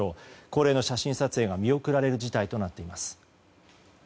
恒例の写真撮影が見送られる事態となっています。